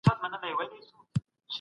د قصاص حکم د ژوند ساتونکی دی.